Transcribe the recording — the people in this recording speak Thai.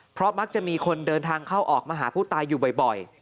เพราะมักจะมีคนเดินทางเข้าออกมาหาผู้ตายอยู่บ่อย